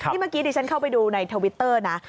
นี่เมื่อกี้ดิฉันเข้าไปดูในทวิตเตอร์นะ